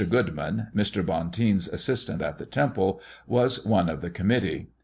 Goodman, Mr. Bonteen's assistant at the temple, was one of the committee.